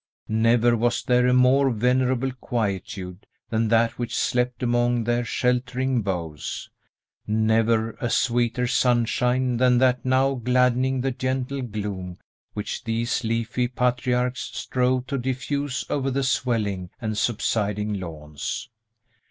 Never was there a more venerable quietude than that which slept among their sheltering boughs; never a sweeter sunshine than that now gladdening the gentle gloom which these leafy patriarchs strove to diffuse over the swelling and subsiding lawns.